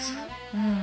うん。